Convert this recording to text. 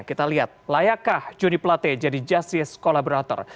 kita lihat layakkah juni pelate jadi justice collaborator